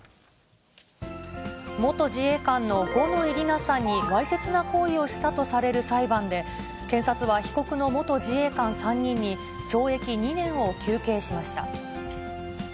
元自衛官の五ノ井里奈さんにわいせつな行為をしたとされる裁判で、検察は被告の元自衛官３人に、懲役２年を求刑しました。